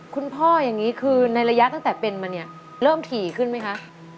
คุณพ่ออย่างนี้คือในระยะตั้งแต่เป็นมาเนี่ยเริ่มถี่ขึ้นไหมคะ